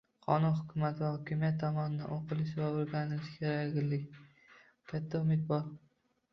Qonun hukumat va hokimiyat tomonidan o'qilishi va o'rganilishi kerakligiga katta umid bor